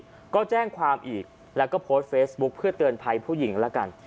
แล้วก็แจ้งความอีกแล้วก็โพสต์เฟซบุ๊คเพื่อเตือนภัยผู้หญิงแล้วกัน